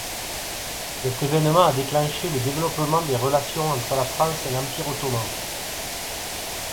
Cet événement a déclenché le développement des relations entre la France et l'Empire ottoman.